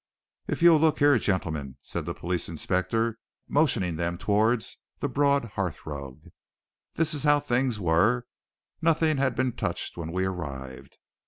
"If you'll look here, gentlemen," said the police inspector, motioning them towards the broad hearthrug. "This is how things were nothing had been touched when we arrived.